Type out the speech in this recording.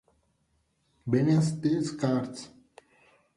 Beneath The Scars